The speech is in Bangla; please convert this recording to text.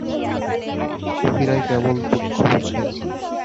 দুঃখীরাই কেবল দুঃখ বুঝে।